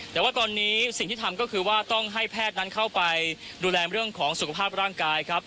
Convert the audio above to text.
แต่ว่าตอนนี้สิ่งที่ทำก็คือว่าต้องให้แพทย์นั้นเข้าไปดูแลเรื่องของสุขภาพร่างกายครับ